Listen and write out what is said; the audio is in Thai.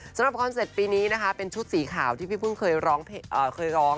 คอนเซ็ตปีนี้นะคะเป็นชุดสีขาวที่พี่พึ่งเคยร้อง